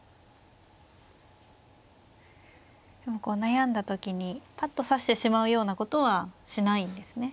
こう悩んだ時にぱっと指してしまうようなことはしないんですね。